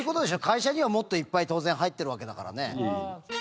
会社にはもっといっぱい当然入ってるわけだからね。